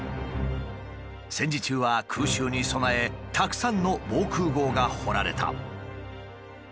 戦時中は空襲に備えたくさんの防空壕が掘られた。